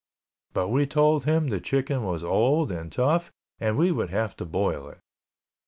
But we told him the chicken was old and tough and we would have to boil it.